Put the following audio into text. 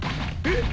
えっ？